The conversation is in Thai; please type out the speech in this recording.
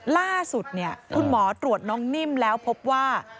ล่าสุดคุณหมอตรวจน้องนิ่มแล้วพบว่า